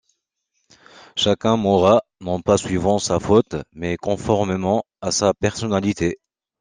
Chacun mourra, non pas suivant sa faute, mais conformément à sa personnalité.